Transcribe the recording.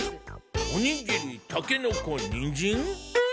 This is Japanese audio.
おにぎりたけのこにんじん？